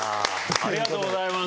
ありがとうございます。